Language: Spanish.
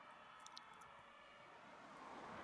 La población de Morata se encuentra prácticamente diseminada.